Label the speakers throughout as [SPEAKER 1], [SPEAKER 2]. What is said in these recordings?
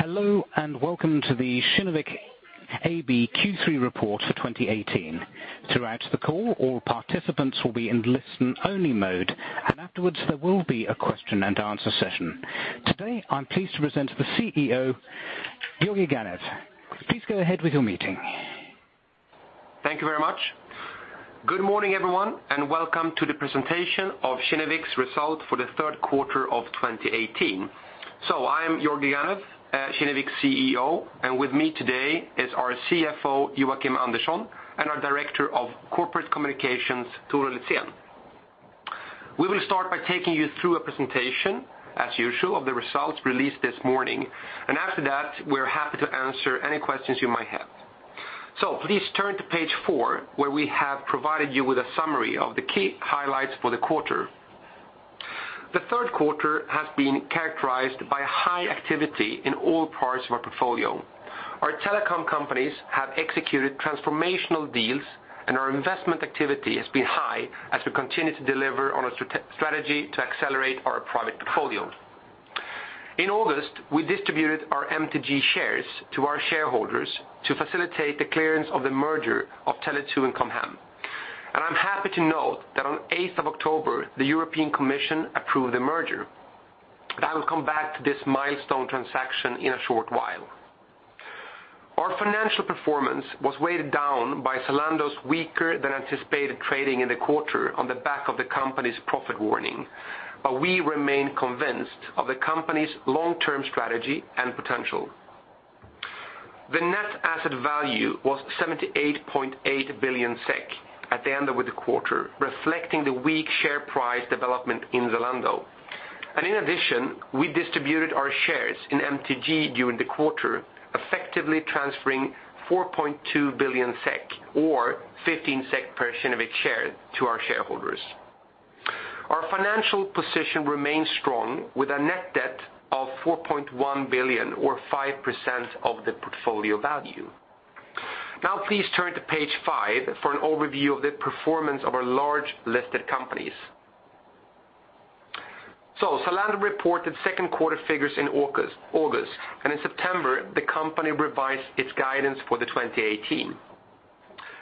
[SPEAKER 1] Hello, welcome to the Kinnevik AB Q3 report for 2018. Throughout the call, all participants will be in listen only mode, afterwards there will be a question and answer session. Today, I am pleased to present the CEO, Georgi Ganev. Please go ahead with your meeting.
[SPEAKER 2] Thank you very much. Good morning, everyone, welcome to the presentation of Kinnevik's result for the third quarter of 2018. I am Georgi Ganev, Kinnevik's CEO, with me today is our CFO, Joakim Andersson, our Director of Corporate Communications, Torun Litzén. We will start by taking you through a presentation, as usual, of the results released this morning, after that, we are happy to answer any questions you might have. Please turn to page five, where we have provided you with a summary of the key highlights for the quarter. The third quarter has been characterized by high activity in all parts of our portfolio. Our telecom companies have executed transformational deals and our investment activity has been high as we continue to deliver on our strategy to accelerate our private portfolio. In August, we distributed our MTG shares to our shareholders to facilitate the clearance of the merger of Tele2 and Com Hem. I am happy to note that on eighth of October, the European Commission approved the merger. I will come back to this milestone transaction in a short while. Our financial performance was weighted down by Zalando's weaker than anticipated trading in the quarter on the back of the company's profit warning. We remain convinced of the company's long-term strategy and potential. The net asset value was 78.8 billion SEK at the end of the quarter, reflecting the weak share price development in Zalando. In addition, we distributed our shares in MTG during the quarter, effectively transferring 4.2 billion SEK or 15 SEK per Kinnevik share to our shareholders. Our financial position remains strong, with a net debt of 4.1 billion or 5% of the portfolio value. Please turn to page five for an overview of the performance of our large listed companies. Zalando reported second quarter figures in August, in September, the company revised its guidance for 2018.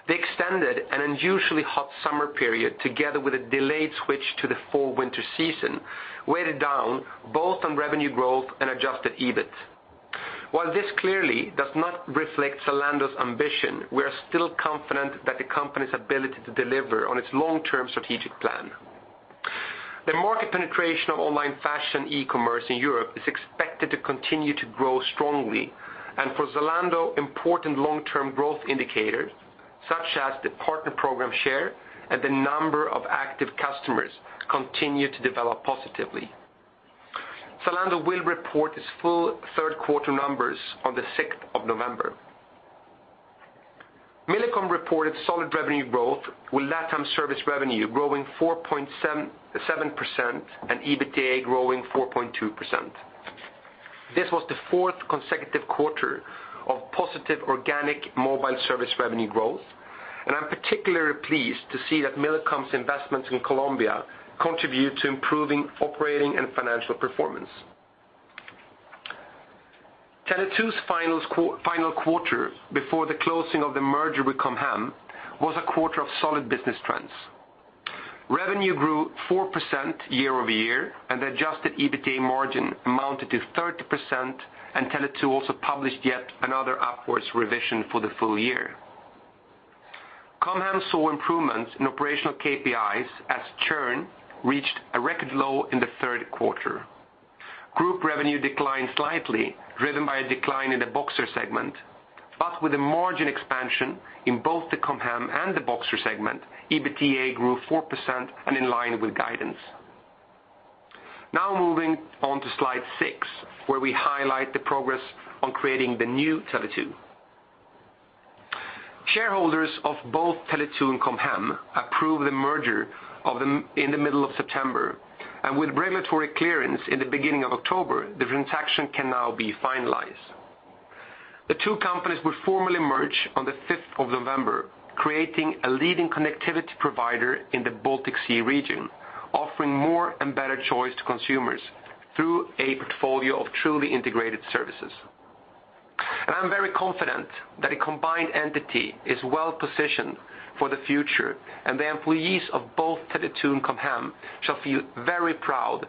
[SPEAKER 2] The extended and unusually hot summer period, together with a delayed switch to the fall/winter season, weighted down both on revenue growth and adjusted EBIT. While this clearly does not reflect Zalando's ambition, we are still confident that the company's ability to deliver on its long-term strategic plan. The market penetration of online fashion e-commerce in Europe is expected to continue to grow strongly. For Zalando, important long-term growth indicators, such as the partner program share and the number of active customers, continue to develop positively. Zalando will report its full third-quarter numbers on the 6th of November. Millicom reported solid revenue growth, with LatAm service revenue growing 4.7% and EBITDA growing 4.2%. This was the fourth consecutive quarter of positive organic mobile service revenue growth, and I'm particularly pleased to see that Millicom's investments in Colombia contribute to improving operating and financial performance. Tele2's final quarter before the closing of the merger with Com Hem was a quarter of solid business trends. Revenue grew 4% year-over-year, and the adjusted EBITDA margin amounted to 30%, and Tele2 also published yet another upwards revision for the full year. Com Hem saw improvements in operational KPIs as churn reached a record low in the third quarter. Group revenue declined slightly, driven by a decline in the Boxer segment, but with a margin expansion in both the Com Hem and the Boxer segment, EBITDA grew 4% and in line with guidance. Moving on to slide six, where we highlight the progress on creating the new Tele2. Shareholders of both Tele2 and Com Hem approved the merger in the middle of September, and with regulatory clearance in the beginning of October, the transaction can now be finalized. The two companies will formally merge on the 5th of November, creating a leading connectivity provider in the Baltic Sea region, offering more and better choice to consumers through a portfolio of truly integrated services. I'm very confident that a combined entity is well-positioned for the future, and the employees of both Tele2 and Com Hem shall feel very proud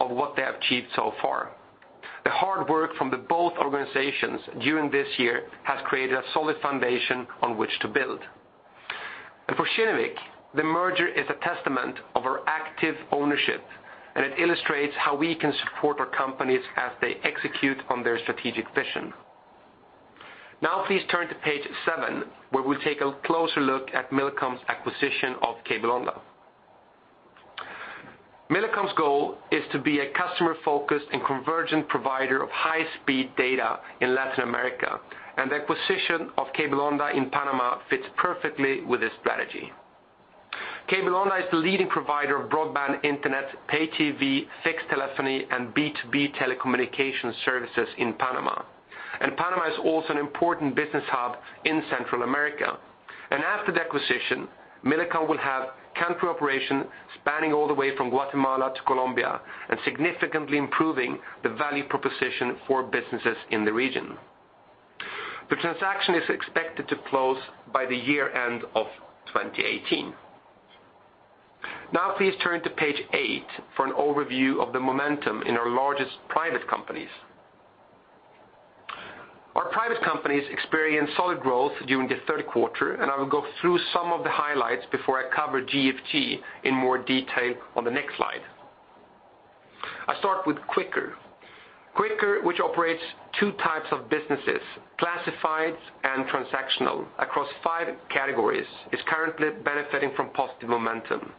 [SPEAKER 2] of what they have achieved so far. The hard work from the both organizations during this year has created a solid foundation on which to build. For Kinnevik, the merger is a testament of our active ownership, and it illustrates how we can support our companies as they execute on their strategic vision. Please turn to page seven, where we'll take a closer look at Millicom's acquisition of Cable Onda. Millicom's goal is to be a customer-focused and convergent provider of high-speed data in Latin America, and the acquisition of Cable Onda in Panama fits perfectly with this strategy. Cable Onda is the leading provider of broadband internet, pay TV, fixed telephony, and B2B telecommunications services in Panama. Panama is also an important business hub in Central America. After the acquisition, Millicom will have country operation spanning all the way from Guatemala to Colombia, and significantly improving the value proposition for businesses in the region. The transaction is expected to close by the year-end of 2018. Please turn to page eight for an overview of the momentum in our largest private companies. Our private companies experienced solid growth during the third quarter, and I will go through some of the highlights before I cover GFG in more detail on the next slide. I start with Quikr. Quikr, which operates 2 types of businesses, classifieds and transactional across 5 categories, is currently benefiting from positive momentum.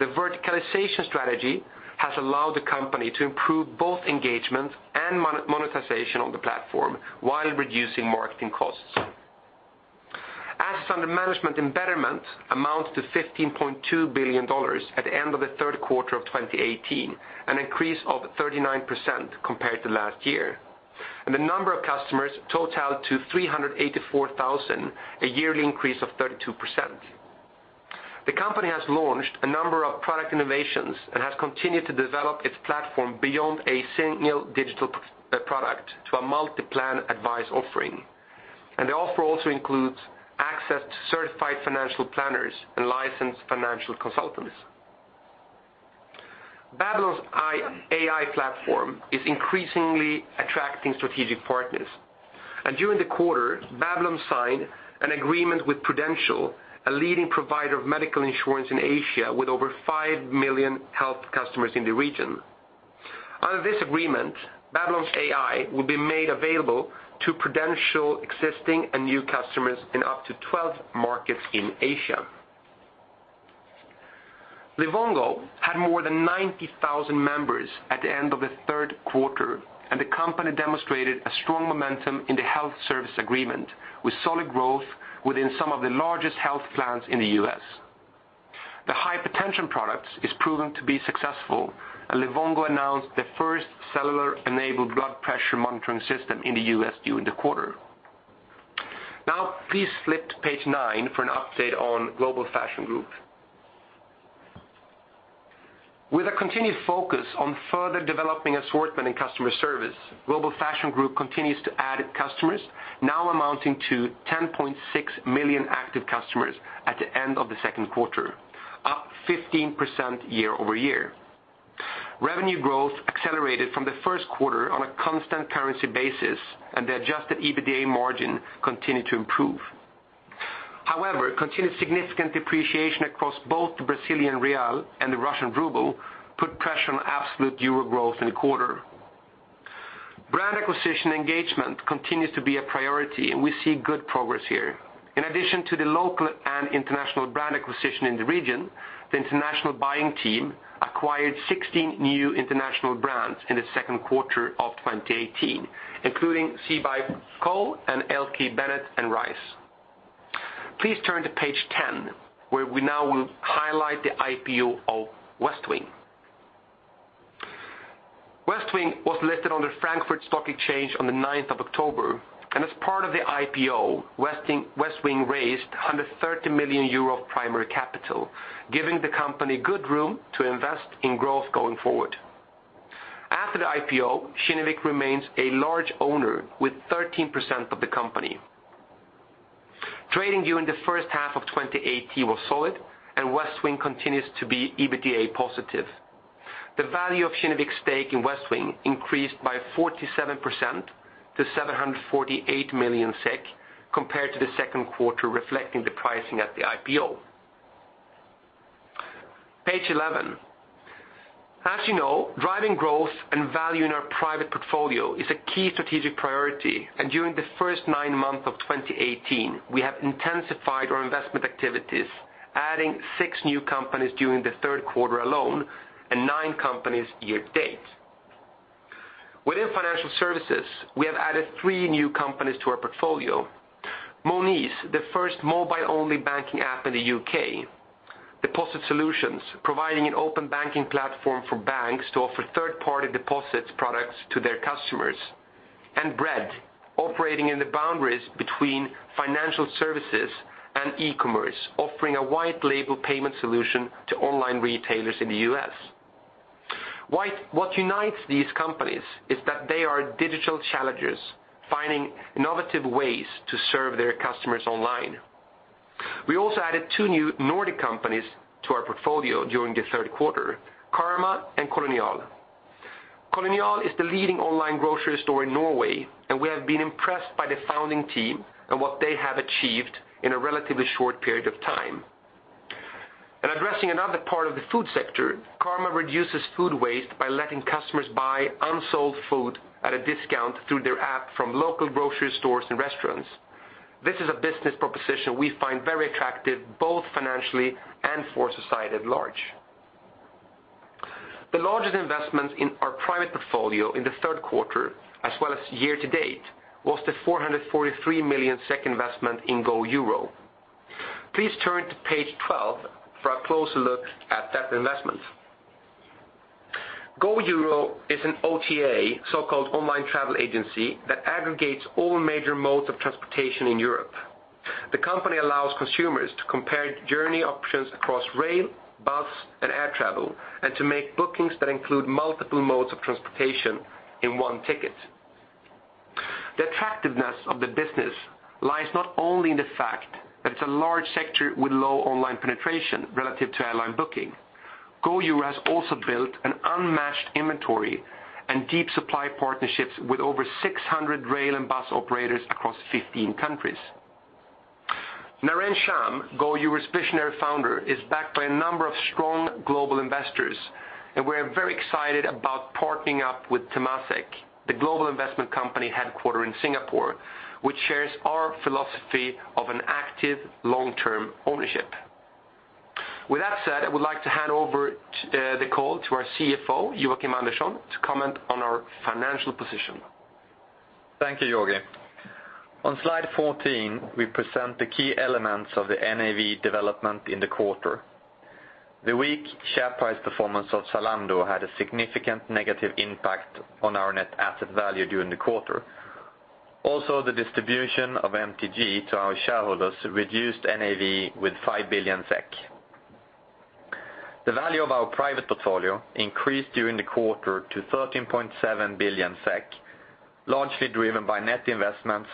[SPEAKER 2] The verticalization strategy has allowed the company to improve both engagement and monetization on the platform while reducing marketing costs. Assets under management in Betterment amount to $15.2 billion at the end of the third quarter of 2018, an increase of 39% compared to last year. The number of customers totaled to 384,000, a yearly increase of 32%. The company has launched a number of product innovations and has continued to develop its platform beyond a single digital product to a multi-plan advise offering. The offer also includes access to certified financial planners and licensed financial consultants. Babylon's AI platform is increasingly attracting strategic partners. During the quarter, Babylon signed an agreement with Prudential, a leading provider of medical insurance in Asia, with over 5 million health customers in the region. Under this agreement, Babylon's AI will be made available to Prudential existing and new customers in up to 12 markets in Asia. Livongo had more than 90,000 members at the end of the third quarter, and the company demonstrated a strong momentum in the health service agreement, with solid growth within some of the largest health plans in the U.S. The hypertension products is proven to be successful, and Livongo announced the first cellular-enabled blood pressure monitoring system in the U.S. during the quarter. Please flip to page nine for an update on Global Fashion Group. With a continued focus on further developing assortment and customer service, Global Fashion Group continues to add customers now amounting to 10.6 million active customers at the end of the second quarter, up 15% year-over-year. Revenue growth accelerated from the first quarter on a constant currency basis, and the adjusted EBITDA margin continued to improve. However, continued significant depreciation across both the Brazilian real and the Russian ruble put pressure on absolute EUR growth in the quarter. Brand acquisition engagement continues to be a priority, and we see good progress here. In addition to the local and international brand acquisition in the region, the international buying team acquired 16 new international brands in the second quarter of 2018, including See by Chloé, L.K.Bennett, and Reiss. Please turn to page 10, where we now will highlight the IPO of Westwing. Westwing was listed on the Frankfurt Stock Exchange on the 9th of October. As part of the IPO, Westwing raised 130 million euro of primary capital, giving the company good room to invest in growth going forward. After the IPO, Kinnevik remains a large owner with 13% of the company. Trading during the first half of 2018 was solid, and Westwing continues to be EBITDA positive. The value of Kinnevik's stake in Westwing increased by 47% to 748 million SEK, compared to the second quarter, reflecting the pricing at the IPO. Page 11. As you know, driving growth and value in our private portfolio is a key strategic priority. During the first nine months of 2018, we have intensified our investment activities, adding six new companies during the third quarter alone and nine companies year-to-date. Within financial services, we have added three new companies to our portfolio. Monese, the first mobile-only banking app in the U.K. Deposit Solutions, providing an open banking platform for banks to offer third-party deposits products to their customers. Bread, operating in the boundaries between financial services and e-commerce, offering a white label payment solution to online retailers in the U.S. What unites these companies is that they are digital challengers finding innovative ways to serve their customers online. We also added two new Nordic companies to our portfolio during the third quarter, Karma and Kolonial. Kolonial is the leading online grocery store in Norway, and we have been impressed by the founding team and what they have achieved in a relatively short period of time. In addressing another part of the food sector, Karma reduces food waste by letting customers buy unsold food at a discount through their app from local grocery stores and restaurants. This is a business proposition we find very attractive, both financially and for society at large. The largest investment in our private portfolio in the third quarter, as well as year-to-date, was the 443 million SEK investment in GoEuro. Please turn to page 12 for a closer look at that investment. GoEuro is an OTA, so-called Online Travel Agency, that aggregates all major modes of transportation in Europe. The company allows consumers to compare journey options across rail, bus, and air travel, and to make bookings that include multiple modes of transportation in one ticket. The attractiveness of the business lies not only in the fact that it's a large sector with low online penetration relative to airline booking. GoEuro has also built an unmatched inventory and deep supply partnerships with over 600 rail and bus operators across 15 countries. Naren Shaam, GoEuro's visionary founder, is backed by a number of strong global investors, and we're very excited about partnering up with Temasek, the global investment company headquartered in Singapore, which shares our philosophy of an active long-term ownership. With that said, I would like to hand over the call to our CFO, Joakim Andersson, to comment on our financial position.
[SPEAKER 3] Thank you, Georgi. On Slide 14, we present the key elements of the NAV development in the quarter. The weak share price performance of Zalando had a significant negative impact on our net asset value during the quarter. Also, the distribution of MTG to our shareholders reduced NAV with 5 billion SEK. The value of our private portfolio increased during the quarter to 13.7 billion SEK, largely driven by net investments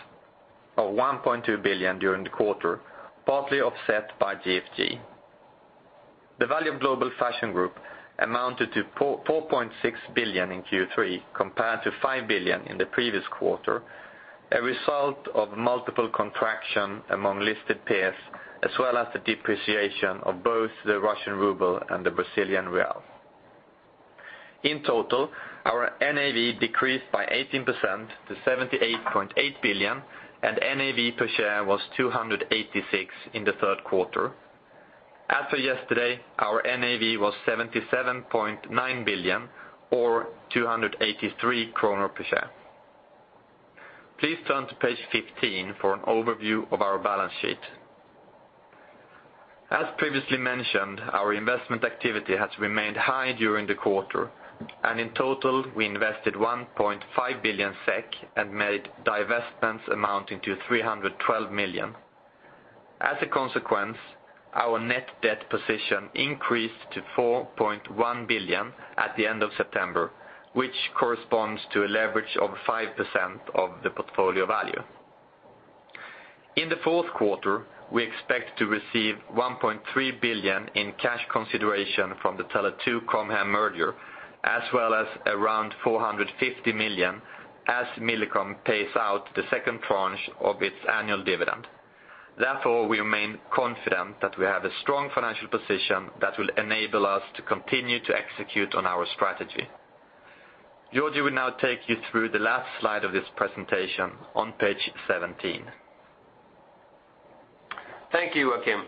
[SPEAKER 3] of 1.2 billion during the quarter, partly offset by GFG. The value of Global Fashion Group amounted to 4.6 billion in Q3, compared to 5 billion in the previous quarter, a result of multiple contraction among listed peers, as well as the depreciation of both the Russian ruble and the Brazilian real. In total, our NAV decreased by 18% to 78.8 billion, and NAV per share was 286 in the third quarter. As of yesterday, our NAV was 77.9 billion or 283 kronor per share. Please turn to Page 15 for an overview of our balance sheet. As previously mentioned, our investment activity has remained high during the quarter, and in total we invested 1.5 billion SEK and made divestments amounting to 312 million. As a consequence, our net debt position increased to 4.1 billion at the end of September, which corresponds to a leverage of 5% of the portfolio value. In the fourth quarter, we expect to receive 1.3 billion in cash consideration from the Tele2 Com Hem merger, as well as 450 million as Millicom pays out the second tranche of its annual dividend. Therefore, we remain confident that we have a strong financial position that will enable us to continue to execute on our strategy. Georgi will now take you through the last slide of this presentation on Page 17.
[SPEAKER 2] Thank you, Joakim.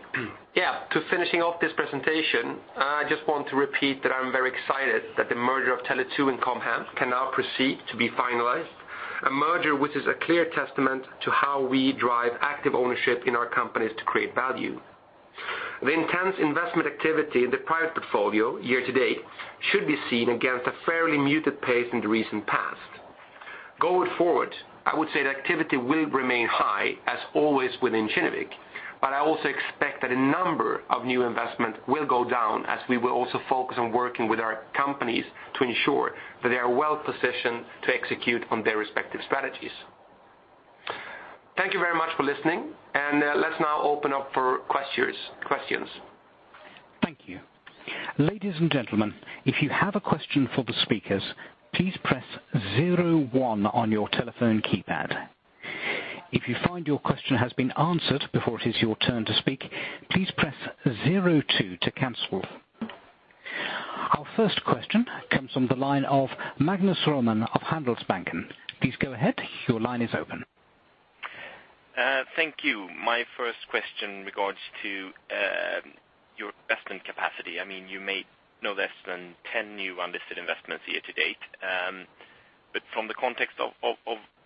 [SPEAKER 2] To finishing off this presentation, I just want to repeat that I'm very excited that the merger of Tele2 and Com Hem can now proceed to be finalized. A merger which is a clear testament to how we drive active ownership in our companies to create value. The intense investment activity in the private portfolio year-to-date should be seen against a fairly muted pace in the recent past. Going forward, I would say the activity will remain high as always within Kinnevik, but I also expect that a number of new investment will go down as we will also focus on working with our companies to ensure that they are well-positioned to execute on their respective strategies. Thank you very much for listening, and let's now open up for questions.
[SPEAKER 1] Thank you. Ladies and gentlemen, if you have a question for the speakers, please press zero one on your telephone keypad. If you find your question has been answered before it is your turn to speak, please press zero two to cancel. Our first question comes from the line of Magnus Råman of Handelsbanken. Please go ahead. Your line is open.
[SPEAKER 4] Thank you. My first question regards to your investment capacity. You made no less than 10 new unlisted investments year-to-date. From the context of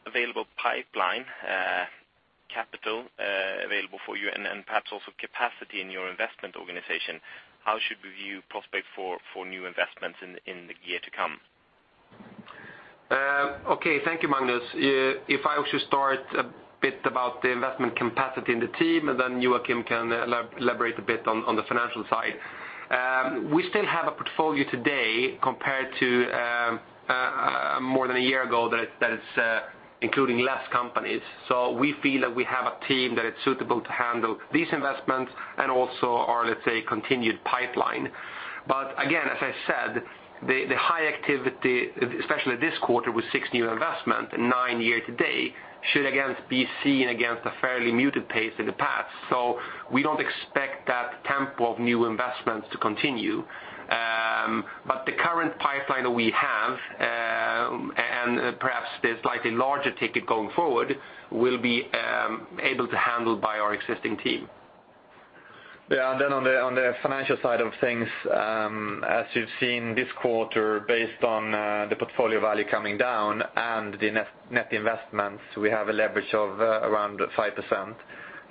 [SPEAKER 4] available pipeline capital available for you and perhaps also capacity in your investment organization, how should we view prospect for new investments in the year to come?
[SPEAKER 2] Okay. Thank you, Magnus. If I was to start a bit about the investment capacity in the team, then Joakim can elaborate a bit on the financial side. We still have a portfolio today compared to more than a year ago that it's including less companies. We feel that we have a team that it's suitable to handle these investments and also our, let's say, continued pipeline. Again, as I said, the high activity, especially this quarter with six new investments and nine year-to-date, should be seen against a fairly muted pace in the past. We don't expect that tempo of new investments to continue. The current pipeline that we have, and perhaps the slightly larger ticket going forward, will be able to handle by our existing team.
[SPEAKER 3] Yeah. Then on the financial side of things, as you've seen this quarter based on NAV coming down and the net investments, we have a leverage of around 5%.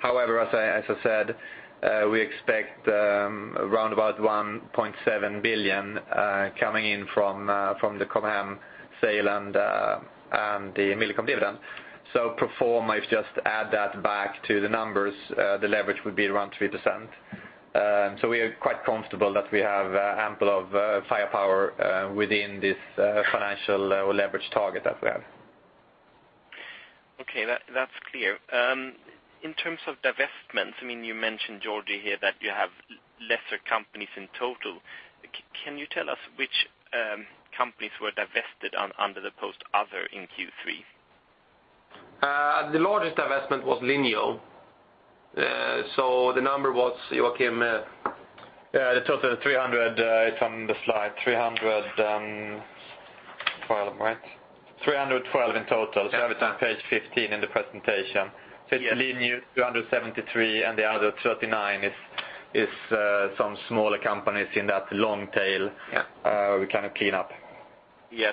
[SPEAKER 3] However, as I said, we expect around about 1.7 billion coming in from the Com Hem sale and the Millicom dividend. Pro forma, if you just add that back to the numbers, the leverage would be around 3%. We are quite comfortable that we have ample of firepower within this financial leverage target that we have.
[SPEAKER 4] Okay. That's clear. In terms of divestments, you mentioned, Georgi, here that you have lesser companies in total. Can you tell us which companies were divested under the post other in Q3?
[SPEAKER 3] The largest divestment was Linio. The number was, Joakim? The total 300, it's on the slide, 312, right? 312 in total. Have a look on page 15 in the presentation. It's Linio 273 and the other 39 is some smaller companies in that long tail-
[SPEAKER 4] Yeah
[SPEAKER 3] we kind of clean up.
[SPEAKER 4] Yeah.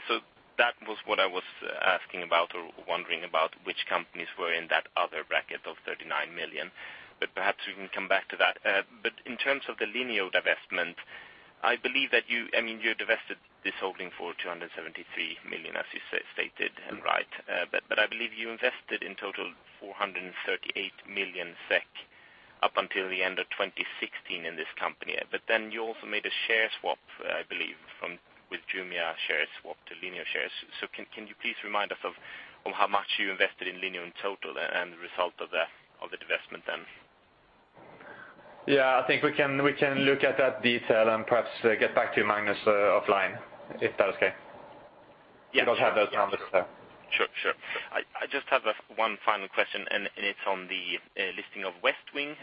[SPEAKER 4] That was what I was asking about, or wondering about, which companies were in that other bracket of 39 million. Perhaps we can come back to that. In terms of the Linio divestment, you divested this holding for 273 million, as you stated, right? I believe you invested in total 438 million SEK up until the end of 2016 in this company. You also made a share swap, I believe, with Jumia share swap to Linio shares. Can you please remind us of how much you invested in Linio in total and the result of the divestment then?
[SPEAKER 3] Yeah, I think we can look at that detail and perhaps get back to you, Magnus, offline. If that's okay.
[SPEAKER 4] Yeah.
[SPEAKER 3] We don't have those numbers here.
[SPEAKER 4] Sure. I just have one final question. It's on the listing of Westwing.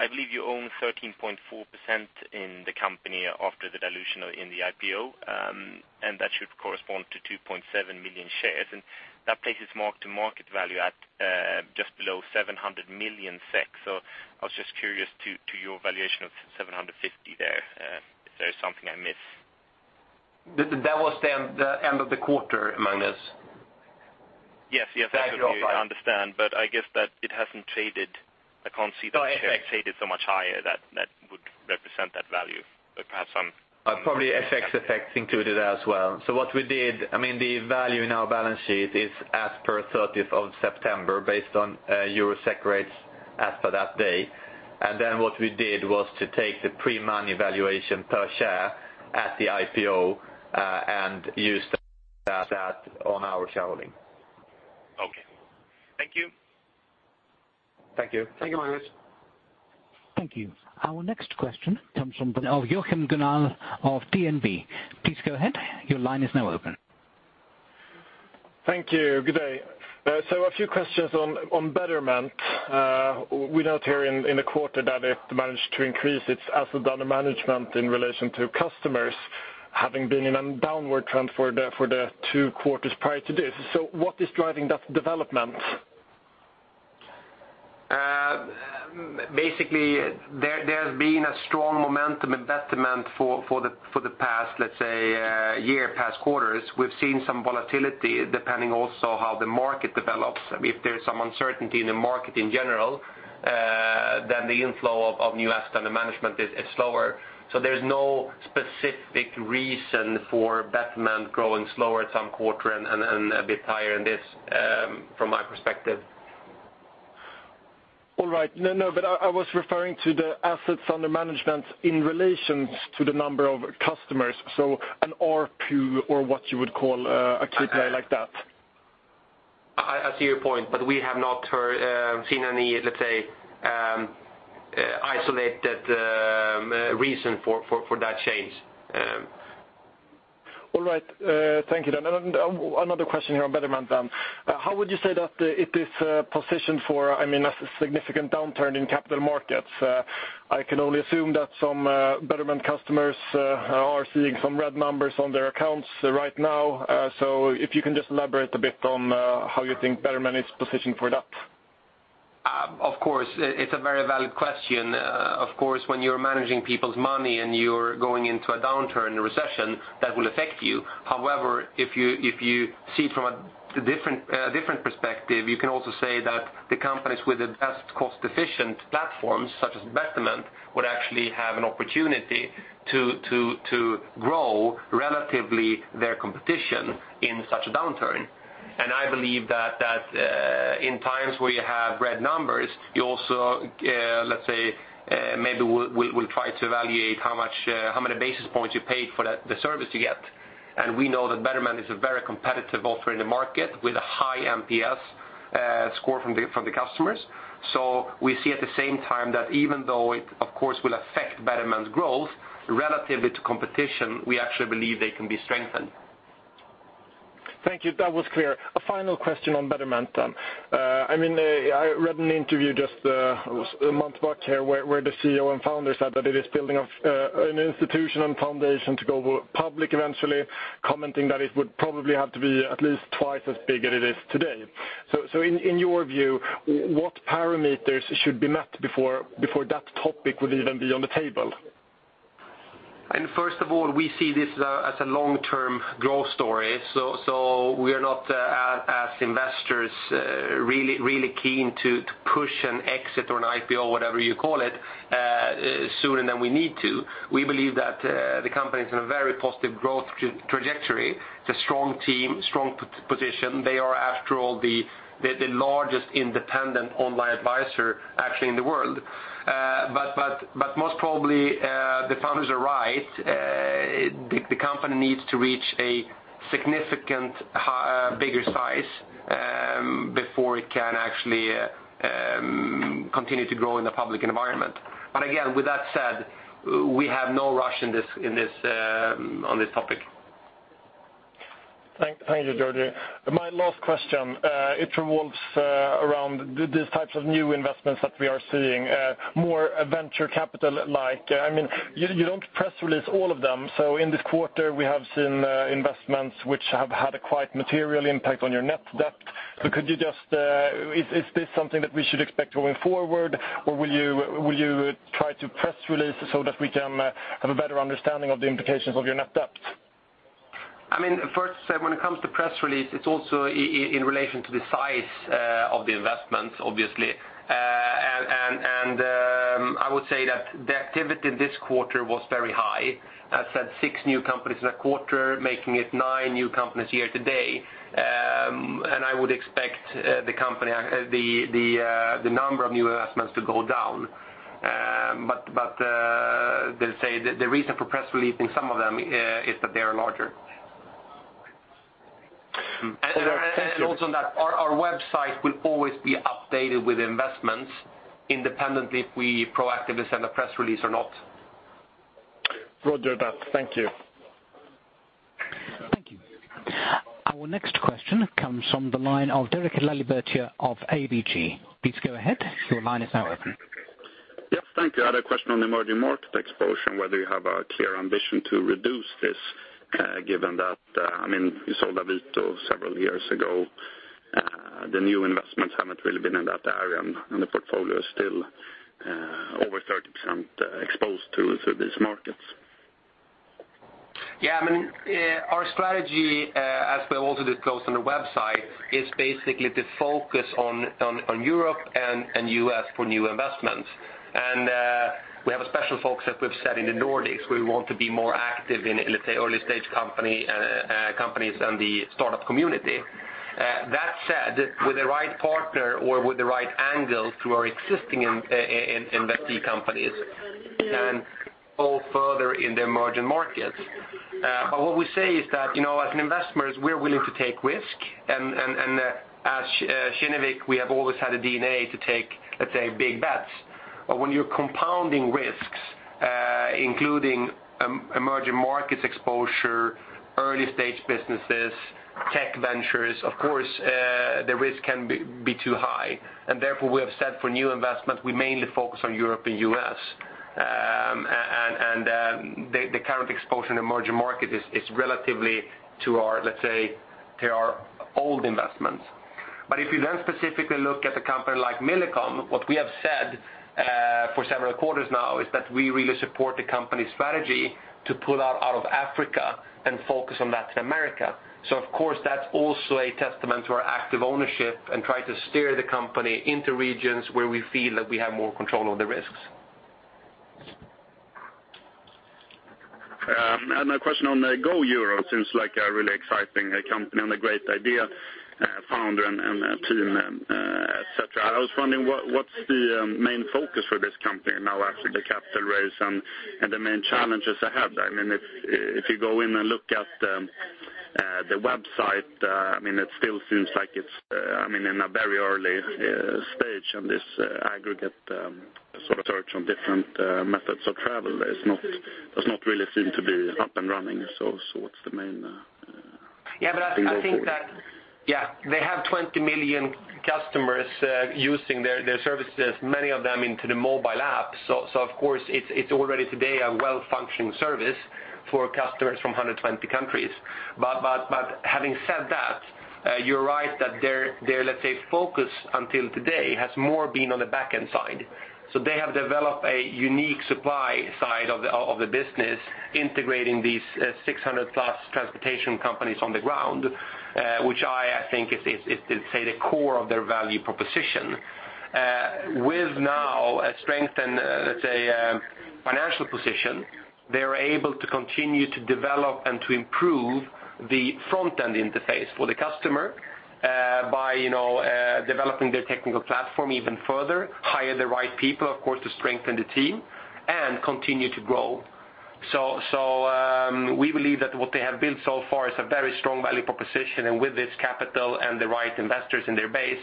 [SPEAKER 4] I believe you own 13.4% in the company after the dilution in the IPO, and that should correspond to 2.7 million shares, and that places mark-to-market value at just below 700 million SEK. I was just curious to your valuation of 750 there, if there is something I miss.
[SPEAKER 3] That was the end of the quarter, Magnus.
[SPEAKER 4] Yes. I understand, I guess that it hasn't traded. I can't see that share traded so much higher that would represent that value.
[SPEAKER 3] Probably FX effects included as well. What we did, the value in our balance sheet is as per 30th of September based on EUR/SEK rates as per that day. Then what we did was to take the pre-money valuation per share at the IPO, and use that on our shareholding.
[SPEAKER 4] Okay. Thank you.
[SPEAKER 3] Thank you. Thank you, Magnus.
[SPEAKER 1] Thank you. Our next question comes from the line of Joakim Gunnal of DNB. Please go ahead. Your line is now open.
[SPEAKER 5] Thank you. Good day. A few questions on Betterment. We note here in the quarter that it managed to increase its asset under management in relation to customers, having been in a downward trend for the two quarters prior to this. What is driving that development?
[SPEAKER 2] Basically, there has been a strong momentum in Betterment for the past, let's say, year, past quarters. We've seen some volatility depending also how the market develops. If there's some uncertainty in the market in general, then the inflow of new assets under management is slower. There's no specific reason for Betterment growing slower at some quarter and a bit higher in this, from my perspective.
[SPEAKER 5] All right. No, I was referring to the assets under management in relations to the number of customers. An R2 or what you would call a KPI like that.
[SPEAKER 2] I see your point, but we have not seen any, let's say, isolated reason for that change.
[SPEAKER 5] Thank you. Another question here on Betterment then. How would you say that it is positioned for a significant downturn in capital markets? I can only assume that some Betterment customers are seeing some red numbers on their accounts right now. If you can just elaborate a bit on how you think Betterment is positioned for that.
[SPEAKER 2] Of course. It's a very valid question. Of course, when you're managing people's money and you're going into a downturn, a recession, that will affect you. However, if you see from a different perspective, you can also say that the companies with the best cost-efficient platforms, such as Betterment, would actually have an opportunity to grow relatively their competition in such a downturn. I believe that in times where you have red numbers, you also, let's say, maybe will try to evaluate how many basis points you pay for the service you get. We know that Betterment is a very competitive offer in the market with a high NPS score from the customers. We see at the same time that even though it, of course, will affect Betterment's growth, relatively to competition, we actually believe they can be strengthened.
[SPEAKER 5] Thank you. That was clear. A final question on Betterment then. I read an interview just a month back here where the CEO and founder said that it is building an institution and foundation to go public eventually, commenting that it would probably have to be at least twice as big as it is today. In your view, what parameters should be met before that topic would even be on the table?
[SPEAKER 2] First of all, we see this as a long-term growth story. We are not, as investors, really keen to push an exit or an IPO, whatever you call it, sooner than we need to. We believe that the company is in a very positive growth trajectory. It's a strong team, strong position. They are, after all, the largest independent online advisor actually in the world. Most probably, the founders are right. The company needs to reach a significant bigger size before it can actually continue to grow in the public environment. Again, with that said, we have no rush on this topic.
[SPEAKER 5] Thank you, Georgi. My last question, it revolves around these types of new investments that we are seeing, more venture capital-like. You don't press release all of them. In this quarter, we have seen investments which have had a quite material impact on your net debt. Is this something that we should expect going forward? Will you try to press release so that we can have a better understanding of the implications of your net debt?
[SPEAKER 2] First, when it comes to press release, it's also in relation to the size of the investments, obviously. I would say that the activity this quarter was very high. As said, six new companies in a quarter, making it nine new companies year to date. I would expect the number of new investments to go down. Let's say, the reason for press releasing some of them is that they are larger.
[SPEAKER 5] Okay. Thank you.
[SPEAKER 2] Also that our website will always be updated with investments, independently if we proactively send a press release or not.
[SPEAKER 5] Roger that. Thank you.
[SPEAKER 1] Thank you. Our next question comes from the line of Derek Laliberté of ABG. Please go ahead. Your line is now open.
[SPEAKER 6] Yes, thank you. I had a question on emerging market exposure, and whether you have a clear ambition to reduce this, given that you sold Avito several years ago. The new investments haven't really been in that area, and the portfolio is still over 30% exposed to these markets.
[SPEAKER 2] Yeah. Our strategy, as we have also disclosed on the website, is basically to focus on Europe and U.S. for new investments. We have a special focus that we've set in the Nordics. We want to be more active in, let's say, early-stage companies and the startup community. That said, with the right partner or with the right angle through our existing investee companies can go further in the emerging markets. What we say is that, as investors, we're willing to take risk, and at Kinnevik, we have always had a DNA to take, let's say, big bets. When you're compounding risks, including emerging markets exposure, early-stage businesses, tech ventures, of course, the risk can be too high. Therefore, we have said for new investments, we mainly focus on Europe and U.S. The current exposure in emerging market is relatively to our, let's say, old investments. If you then specifically look at a company like Millicom, what we have said for several quarters now is that we really support the company's strategy to pull out of Africa and focus on Latin America. Of course, that's also a testament to our active ownership and try to steer the company into regions where we feel that we have more control of the risks.
[SPEAKER 6] A question on GoEuro. Seems like a really exciting company and a great idea, founder and team, et cetera. I was wondering what's the main focus for this company now after the capital raise and the main challenges ahead? If you go in and look at the website, it still seems like it's in a very early stage, and this aggregate sort of search on different methods of travel does not really seem to be up and running. What's the main thing going forward?
[SPEAKER 2] They have 20 million customers using their services, many of them into the mobile app. Of course, it's already today a well-functioning service for customers from 120 countries. Having said that, you're right that their, let's say, focus until today has more been on the back-end side. They have developed a unique supply side of the business integrating these 600-plus transportation companies on the ground, which I think is the core of their value proposition. With now a strength in, let's say, financial position, they are able to continue to develop and to improve the front-end interface for the customer by developing their technical platform even further, hire the right people, of course, to strengthen the team, and continue to grow. We believe that what they have built so far is a very strong value proposition, and with this capital and the right investors in their base,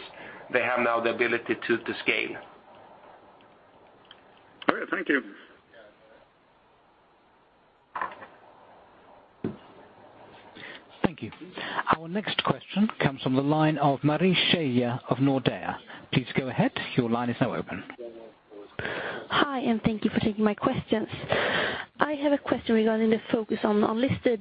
[SPEAKER 2] they have now the ability to scale.
[SPEAKER 6] Great. Thank you.
[SPEAKER 1] Thank you. Our next question comes from the line of Marie Scheja of Nordea. Please go ahead. Your line is now open.
[SPEAKER 7] Hi, thank you for taking my questions. I have a question regarding the focus on unlisted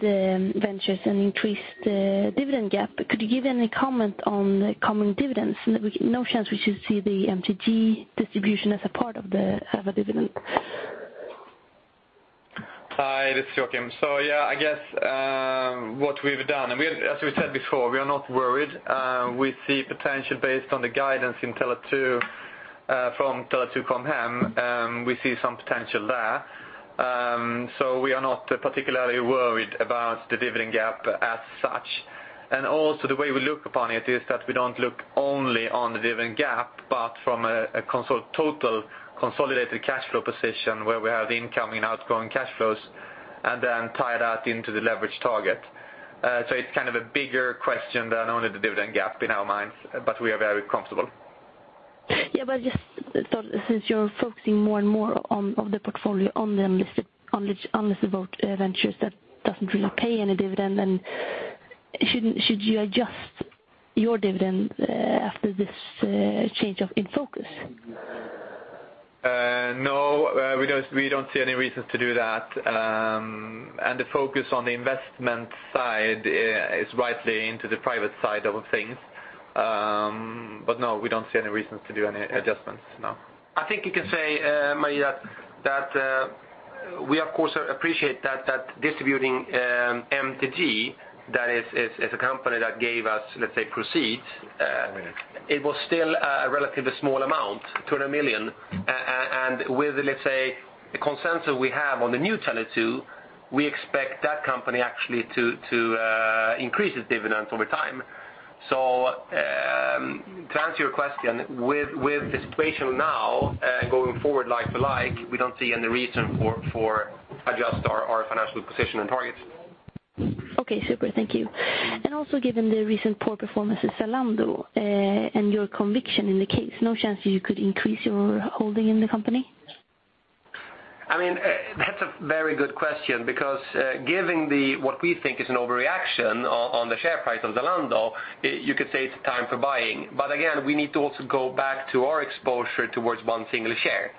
[SPEAKER 7] ventures and increased dividend gap. Could you give any comment on the coming dividends? No chance we should see the MTG distribution as a part of a dividend?
[SPEAKER 3] Hi, this is Joakim. Yeah, I guess what we've done, as we said before, we are not worried. We see potential based on the guidance from Tele2 Com Hem. We see some potential there. We are not particularly worried about the dividend gap as such. Also the way we look upon it is that we don't look only on the dividend gap, but from a total consolidated cash flow position where we have incoming, outgoing cash flows and then tie that into the leverage target. It's kind of a bigger question than only the dividend gap in our minds, but we are very comfortable.
[SPEAKER 7] Just since you are focusing more and more of the portfolio on the unlisted ventures that do not really pay any dividend, should you adjust your dividend after this change in focus?
[SPEAKER 3] No, we do not see any reason to do that. The focus on the investment side is rightly into the private side of things. No, we do not see any reasons to do any adjustments, no.
[SPEAKER 2] I think you can say, Marie, that we, of course, appreciate that distributing MTG, that is a company that gave us, let's say, proceeds. It was still a relatively small amount, 200 million. With, let's say, the consensus we have on the new Tele2, we expect that company actually to increase its dividends over time. To answer your question, with the situation now and going forward like to like, we do not see any reason to adjust our financial position and targets.
[SPEAKER 7] Super. Thank you. Also given the recent poor performance of Zalando and your conviction in the case, no chance you could increase your holding in the company?
[SPEAKER 2] That is a very good question because given what we think is an overreaction on the share price of Zalando, you could say it's time for buying. Again, we need to also go back to our exposure towards one single share.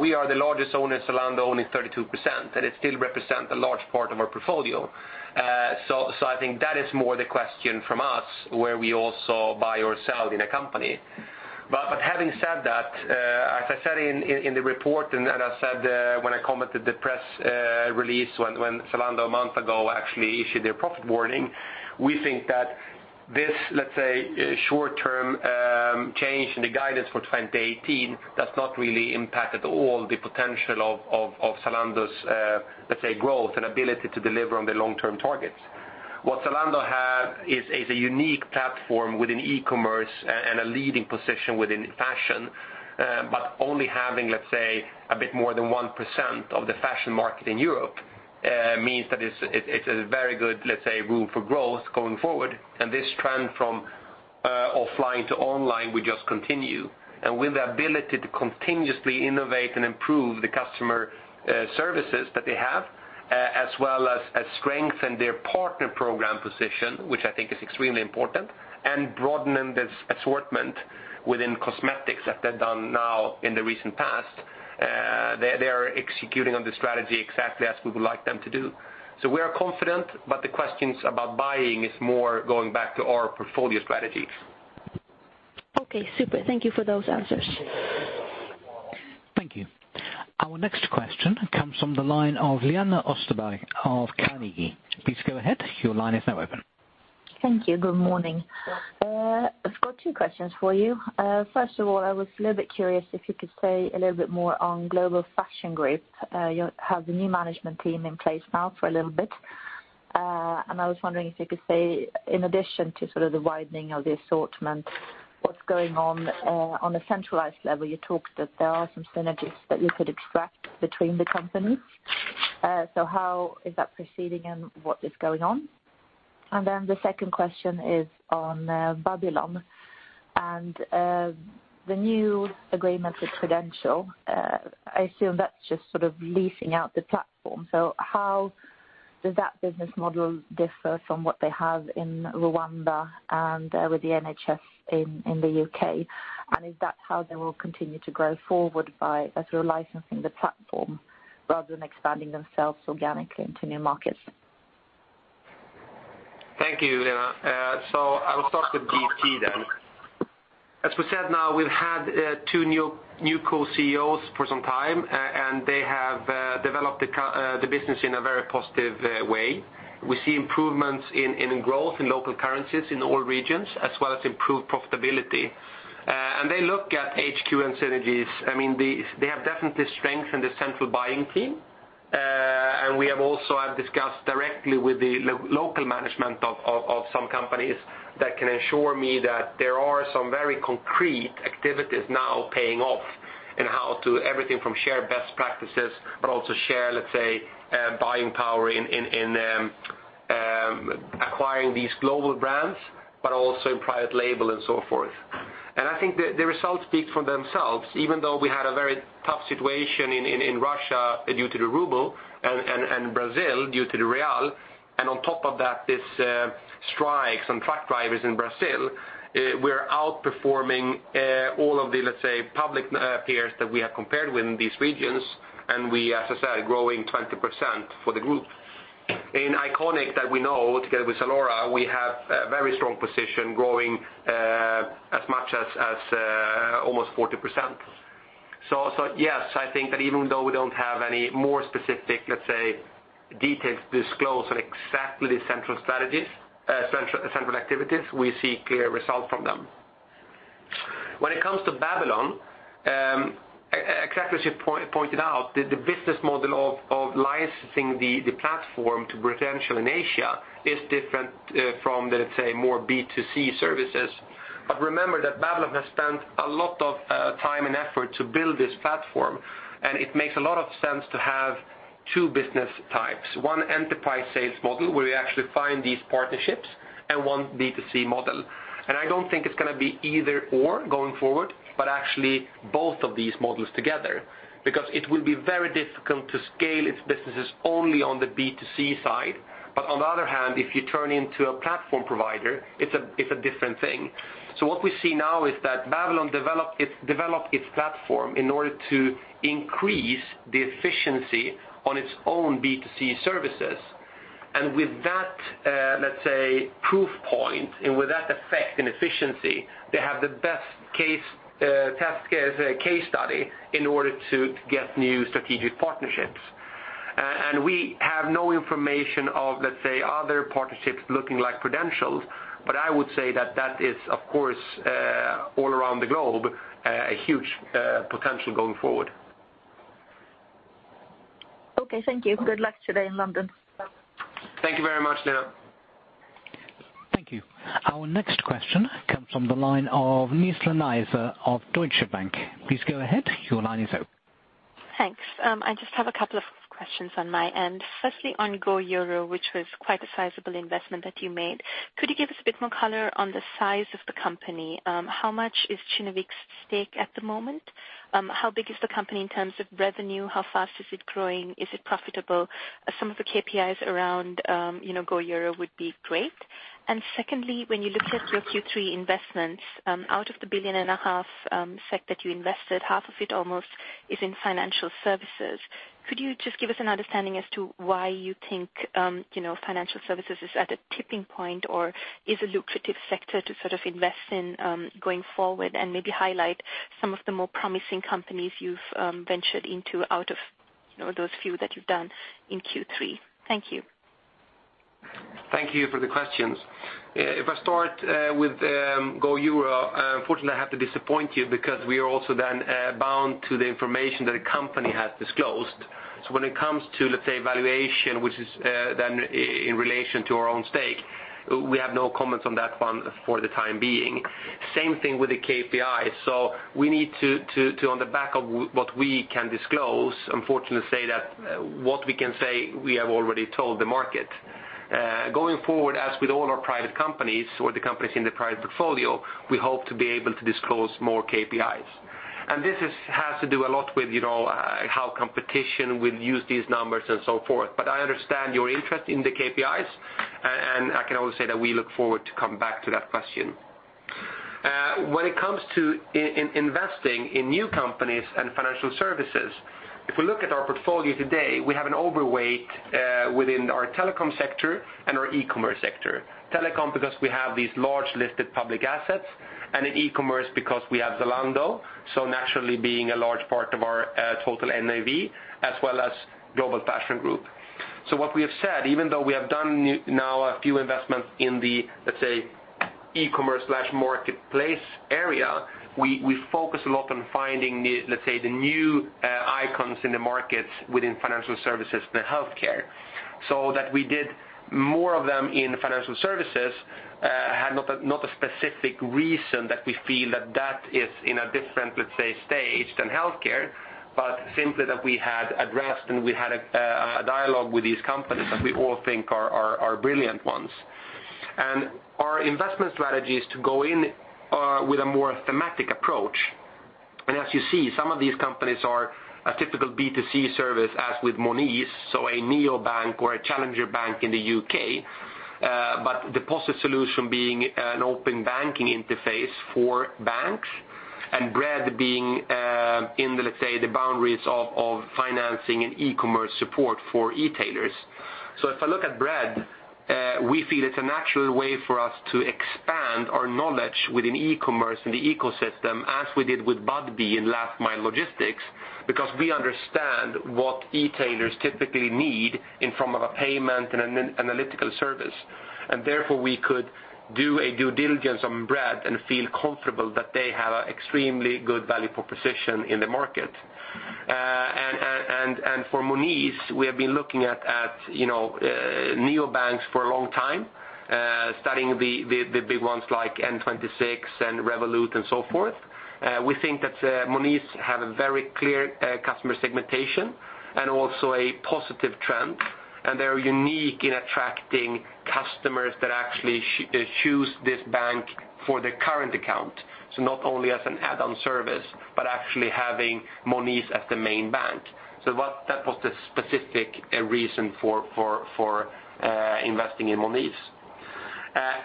[SPEAKER 2] We are the largest owner of Zalando, owning 32%, and it still represents a large part of our portfolio. I think that is more the question from us, where we also buy or sell in a company. Having said that, as I said in the report and as I said when I commented the press release when Zalando a month ago actually issued their profit warning, we think that this short-term change in the guidance for 2018 does not really impact at all the potential of Zalando's growth and ability to deliver on their long-term targets. What Zalando have is a unique platform within e-commerce and a leading position within fashion. Only having a bit more than 1% of the fashion market in Europe means that it's a very good room for growth going forward. This trend from offline to online will just continue. With the ability to continuously innovate and improve the customer services that they have, as well as strengthen their partner program position, which I think is extremely important, and broadening the assortment within cosmetics that they've done now in the recent past. They are executing on the strategy exactly as we would like them to do. We are confident, but the questions about buying is more going back to our portfolio strategy.
[SPEAKER 7] Okay, super. Thank you for those answers.
[SPEAKER 1] Thank you. Our next question comes from the line of Lena Österberg of Carnegie. Please go ahead. Your line is now open.
[SPEAKER 8] Thank you. Good morning. I've got two questions for you. First of all, I was a little bit curious if you could say a little bit more on Global Fashion Group. You have the new management team in place now for a little bit. I was wondering if you could say, in addition to sort of the widening of the assortment, what's going on a centralized level. You talked that there are some synergies that you could extract between the companies. How is that proceeding and what is going on? The second question is on Babylon and the new agreement with Prudential. I assume that's just sort of leasing out the platform. How does that business model differ from what they have in Rwanda and with the NHS in the U.K.? Is that how they will continue to grow forward by licensing the platform rather than expanding themselves organically into new markets?
[SPEAKER 2] Thank you, Lena. I will start with GFG then. As we said, now we've had two new co-CEOs for some time, they have developed the business in a very positive way. We see improvements in growth in local currencies in all regions, as well as improved profitability. They look at HQ and synergies. They have definitely strengthened the central buying team. We have also discussed directly with the local management of some companies that can assure me that there are some very concrete activities now paying off in how to everything from share best practices, but also share buying power in acquiring these global brands, but also in private label and so forth. I think the results speak for themselves, even though we had a very tough situation in Russia due to the RUB and Brazil due to the BRL, and on top of that, these strikes and truck drivers in Brazil, we're outperforming all of the public peers that we have compared with in these regions, and we, as I said, are growing 20% for the group. The Iconic that we know together with Zalora, we have a very strong position growing as much as almost 40%. Yes, I think that even though we don't have any more specific, let's say, details disclosed on exactly the central strategies, central activities, we see clear results from them. When it comes to Babylon, exactly as you pointed out, the business model of licensing the platform to Prudential in Asia is different from, let's say, more B2C services. Remember that Babylon has spent a lot of time and effort to build this platform, and it makes a lot of sense to have two business types, one enterprise sales model where we actually find these partnerships, and one B2C model. I don't think it's going to be either/or going forward, but actually both of these models together. It will be very difficult to scale its businesses only on the B2C side. On the other hand, if you turn into a platform provider, it's a different thing. What we see now is that Babylon developed its platform in order to increase the efficiency on its own B2C services. With that, let's say, proof point, and with that effect and efficiency, they have the best case study in order to get new strategic partnerships. We have no information of, let's say, other partnerships looking like Prudential's. I would say that that is, of course, all around the globe, a huge potential going forward.
[SPEAKER 8] Okay, thank you. Good luck today in London.
[SPEAKER 2] Thank you very much, Lena.
[SPEAKER 1] Thank you. Our next question comes from the line of Nizla Naizer of Deutsche Bank. Please go ahead. Your line is open.
[SPEAKER 9] Thanks. I just have a couple of questions on my end. Firstly, on GoEuro, which was quite a sizable investment that you made. Could you give us a bit more color on the size of the company? How much is Kinnevik's stake at the moment? How big is the company in terms of revenue? How fast is it growing? Is it profitable? Some of the KPIs around GoEuro would be great. Secondly, when you looked at your Q3 investments, out of the a billion and a half SEK that you invested, half of it almost is in financial services. Could you just give us an understanding as to why you think financial services is at a tipping point or is a lucrative sector to sort of invest in going forward? Maybe highlight some of the more promising companies you've ventured into out of those few that you've done in Q3. Thank you.
[SPEAKER 2] Thank you for the questions. If I start with GoEuro, unfortunately, I have to disappoint you because we are also then bound to the information that a company has disclosed. When it comes to, let's say, valuation, which is then in relation to our own stake, we have no comments on that one for the time being. Same thing with the KPI. We need to, on the back of what we can disclose, unfortunately say that what we can say, we have already told the market. Going forward, as with all our private companies or the companies in the private portfolio, we hope to be able to disclose more KPIs. This has to do a lot with how competition will use these numbers and so forth. I understand your interest in the KPIs, and I can only say that we look forward to come back to that question. When it comes to investing in new companies and financial services, if we look at our portfolio today, we have an overweight within our telecom sector and our e-commerce sector. Telecom because we have these large listed public assets, and in e-commerce because we have Zalando, naturally being a large part of our total NAV, as well as Global Fashion Group. What we have said, even though we have done now a few investments in the, let's say, e-commerce/marketplace area, we focus a lot on finding the, let's say, the new icons in the markets within financial services and healthcare. That we did more of them in financial services, had not a specific reason that we feel that that is in a different, let's say, stage than healthcare, but simply that we had addressed, and we had a dialogue with these companies that we all think are brilliant ones. Our investment strategy is to go in with a more thematic approach. As you see, some of these companies are a typical B2C service, as with Monese, a neobank or a challenger bank in the U.K., but Deposit Solutions being an open banking interface for banks, and Bread being in the, let's say, the boundaries of financing and e-commerce support for e-tailers. If I look at Bread, we feel it's a natural way for us to expand our knowledge within e-commerce and the ecosystem, as we did with Budbee in last mile logistics, because we understand what e-tailers typically need in form of a payment and an analytical service. Therefore, we could do a due diligence on Bread and feel comfortable that they have an extremely good value proposition in the market. For Monese, we have been looking at neobanks for a long time, studying the big ones like N26 and Revolut and so forth. We think that Monese have a very clear customer segmentation and also a positive trend, and they're unique in attracting customers that actually choose this bank for their current account, not only as an add-on service, but actually having Monese as the main bank. That was the specific reason for investing in Monese.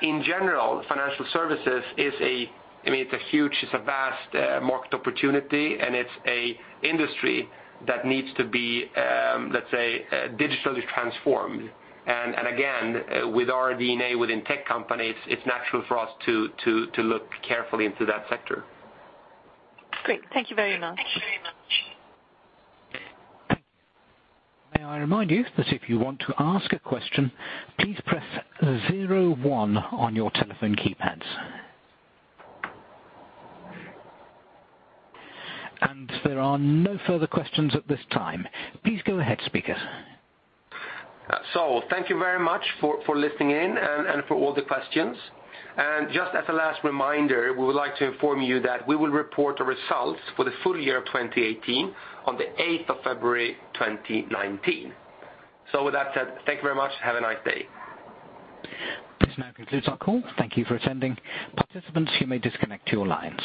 [SPEAKER 2] In general, financial services is a huge, it's a vast market opportunity, and it's an industry that needs to be, let's say, digitally transformed. Again, with our DNA within tech companies, it's natural for us to look carefully into that sector.
[SPEAKER 9] Great. Thank you very much.
[SPEAKER 1] May I remind you that if you want to ask a question, please press 01 on your telephone keypads. There are no further questions at this time. Please go ahead, speakers.
[SPEAKER 2] Thank you very much for listening in and for all the questions. Just as a last reminder, we would like to inform you that we will report our results for the full year of 2018 on the 8th of February 2019. With that said, thank you very much. Have a nice day.
[SPEAKER 1] This now concludes our call. Thank you for attending. Participants, you may disconnect your lines.